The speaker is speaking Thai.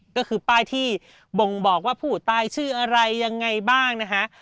ก็คือป้ายที่บ่งบอกว่าผู้ตายชื่ออะไรยังไงบ้างนะคะ